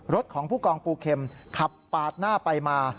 ของผู้กองปูเข็มขับปาดหน้าไปมา